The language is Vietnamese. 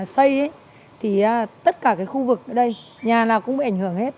xây thì tất cả khu vực ở đây nhà nào cũng bị ảnh hưởng hết